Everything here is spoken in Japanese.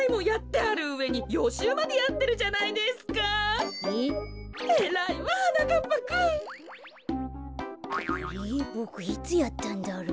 あれボクいつやったんだろう？